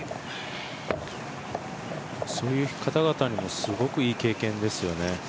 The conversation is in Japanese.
そういう方々にもすごくいい経験ですよね。